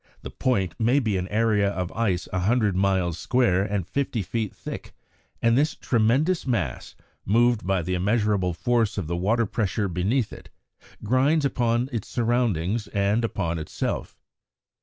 The "point" may be an area of ice a hundred miles square and fifty feet thick, and this tremendous mass, moved by the immeasurable force of the water pressure beneath it, grinds upon its surroundings and upon itself.